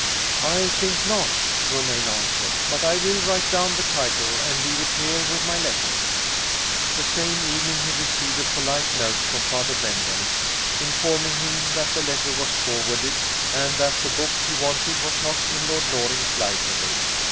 "I think not," Romayne answered; "but I will write down the title, and leave it here with my letter." The same evening he received a polite note from Father Benwell, informing him that the letter was forwarded, and that the book he wanted was not in Lord Loring's library.